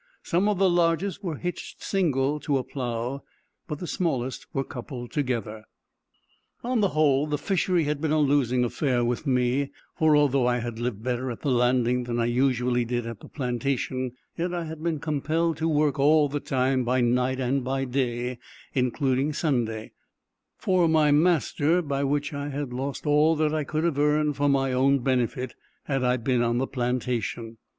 Some of the largest were hitched single to a plough; but the smallest were coupled together. On the whole, the fishery had been a losing affair with me; for although I had lived better at the landing than I usually did at the plantation, yet I had been compelled to work all the time, by night and by day, including Sunday, for my master; by which I had lost all that I could have earned for my own benefit, had I been on the plantation.